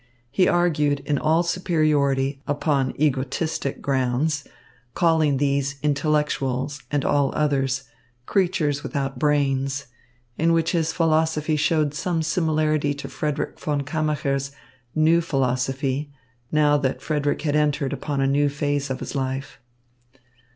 He argued in all superiority, upon egotistic grounds, calling these the intellectuals, and all others, creatures without brains; in which his philosophy showed some similarity to Frederick von Kammacher's new philosophy, now that Frederick had entered upon a new phase of his life.